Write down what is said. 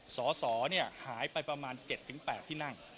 สสหายไปประมาณ๗๘ที่นั่ง